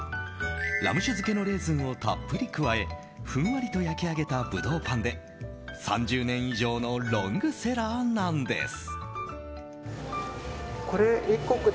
ラム酒漬けのレーズンをたっぷり加えふんわりと焼き上げたブドウパンで３０年以上のロングセラーなんです。